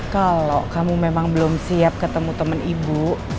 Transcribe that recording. kalo kamu memang belum siap ketemu temen ibu